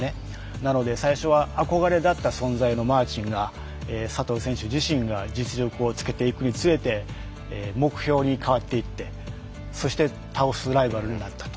なので最初は憧れだった存在のマーティンが佐藤選手自身が実力をつけていくにつれて目標に変わっていってそして倒すライバルになったと。